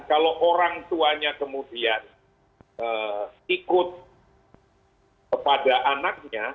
kalau orang tuanya kemudian ikut kepada anaknya